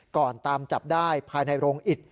ก่อนตามจับได้ภายในโรงอิฐ